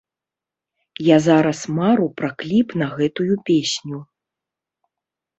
Я зараз мару пра кліп на гэтую песню.